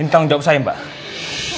tanggung jawab saya mbak